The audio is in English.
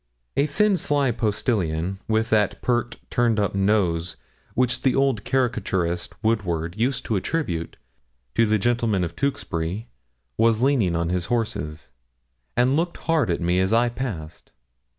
A thin, sly postilion, with that pert, turned up nose which the old caricaturist Woodward used to attribute to the gentlemen of Tewkesbury, was leaning on his horses, and looked hard at me as I passed.